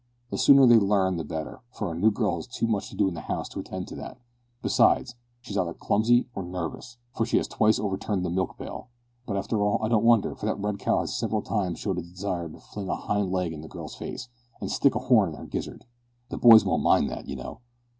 The sooner they learn the better, for our new girl has too much to do in the house to attend to that; besides, she's either clumsy or nervous, for she has twice overturned the milk pail. But after all, I don't wonder, for that red cow has several times showed a desire to fling a hind leg into the girl's face, and stick a horn in her gizzard. The boys won't mind that, you know.